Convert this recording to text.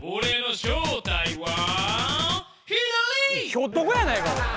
ひょっとこやないかおい。